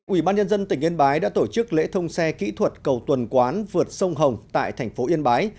ủy ban nhân dân tỉnh yên bái đã tổ chức lễ thông xe kỹ thuật cầu tuần quán vượt sông hồng tại thành phố yên bái